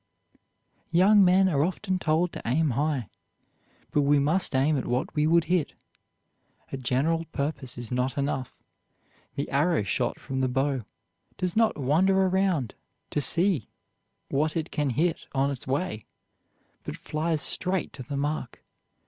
Young men are often told to aim high, but we must aim at what we would hit. A general purpose is not enough. The arrow shot from the bow does not wander around to see what it can hit on its way, but flies straight to the mark.